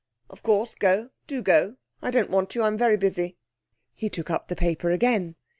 'Of course, go. Do go. I don't want you. I'm very busy.' He took up the paper again.